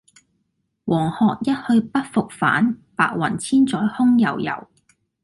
黃鶴一去不復返，白云千載空悠悠。